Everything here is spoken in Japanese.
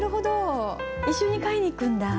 一緒に買いに行くんだ。